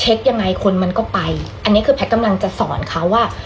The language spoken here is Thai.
ยังไงคนมันก็ไปอันนี้คือแพทย์กำลังจะสอนเขาว่า